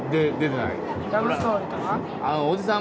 おじさん